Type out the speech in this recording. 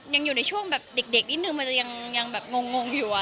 ยังอยู่ในช่วงแบบเด็กนิดนึงมันจะยังแบบงงอยู่